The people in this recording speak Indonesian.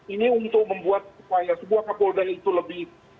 ini untuk membuat supaya sebuah kapolda itu lebih